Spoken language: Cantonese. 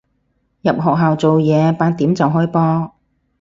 入學校做嘢，八點就開波